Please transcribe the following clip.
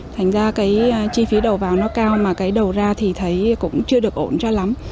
thành ra cái chi phí đầu vào nó cao mà cái đầu ra thì thấy cũng chưa được ổn ra lắm